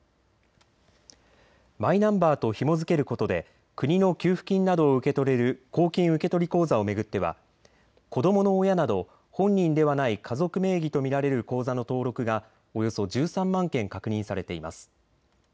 マイナンバーとひも付けることで国の給付金などを受け取れる公金受取口座を巡っては子どもの親など本人ではない家族名義と見られる口座の登録がおよそ１３万件確認されています。